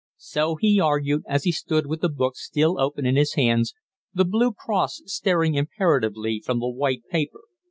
So he argued, as he stood with the book still open in his hands, the blue cross staring imperatively from the white paper.